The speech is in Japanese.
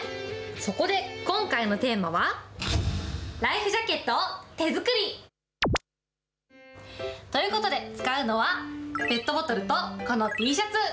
そこで、今回のテーマは、ライフジャケットを手作り！ということで、使うのはペットボトルとこのＴシャツ。